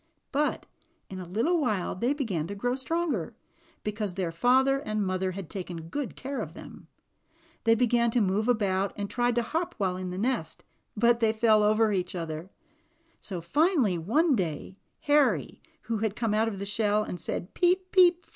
But in a little while they began to grow stronger, because their father and mother had taken good care of them. They began to move about and tried to hop while in the nest, but they fell over each other; so finally one day, Harry, who had come out of the shell and said "peep, peep!"